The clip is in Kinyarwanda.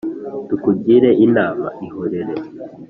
Tukugire inama, ihorere